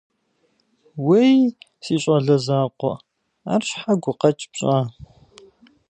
Уей, си щӀалэ закъуэ, ар щхьэ гукъэкӀ пщӀа?